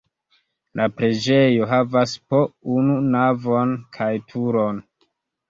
La preĝejo havas po unu navon kaj turon.